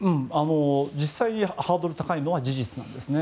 実際、ハードルが高いのは事実なんですね。